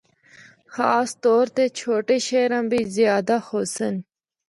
خاص طور تے چھوٹے شہراں بچ زیادہ ہوسن۔